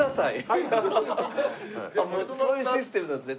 そういうシステムなんですね。